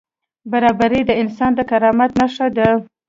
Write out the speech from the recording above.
برابري د انسان د کرامت نښه ده.